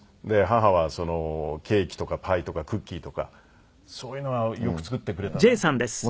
母はケーキとかパイとかクッキーとかそういうのはよく作ってくれたね。